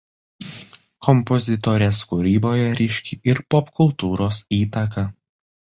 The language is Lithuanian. Kompozitorės kūryboje ryški ir popkultūros įtaka.